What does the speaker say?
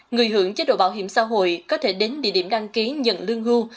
người hưởng chế độ bảo hiểm xã hội có thể đến địa điểm đăng ký nhận lương hưu